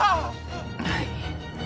はい。